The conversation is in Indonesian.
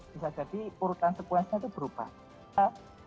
bisa jadi urutan sekuasnya itu berubah